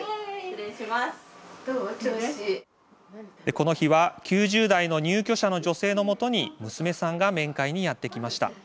この日は９０代の入居者の女性のもとに娘さんが面会にやって来ました。